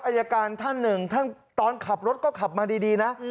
อายการท่านหนึ่งท่านตอนขับรถก็ขับมาดีนะ